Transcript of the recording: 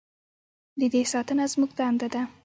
د دې ساتنه زموږ دنده ده